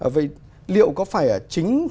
vậy liệu có phải chính phương pháp này